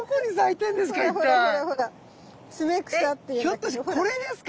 ひょっとしてこれですか？